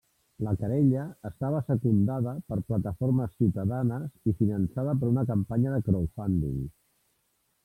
La querella estava secundada per plataformes ciutadanes i finançada per una campanya de crowdfunding.